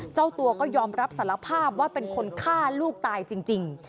เจ้าตัวก็ยอมรับสารภาพว่าเป็นคนฆ่าลูกตายจริง